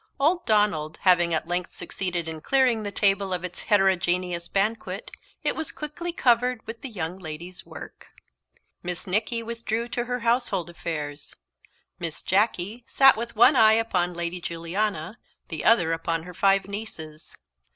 Old Donald having at length succeeded in clearing the table of its heterogeneous banquet, it was quickly covered with the young ladies' work. Miss Nicky withdrew to her household affairs. Miss Jacky sat with one eye upon Lady Juliana, the other upon her five nieces.